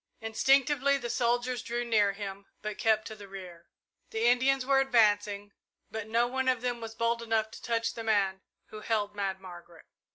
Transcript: Instinctively the soldiers drew near him, but kept to the rear. The Indians were advancing, but no one of them was bold enough to touch the man who held Mad Margaret.